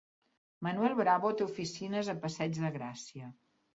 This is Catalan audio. Manuel Bravo té oficines a Passeig de Gràcia